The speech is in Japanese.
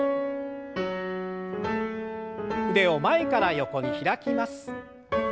腕を前から横に開きます。